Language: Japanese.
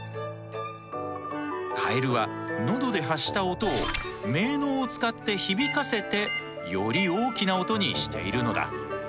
カエルは喉で発した音を鳴のうを使って響かせてより大きな音にしているのだ。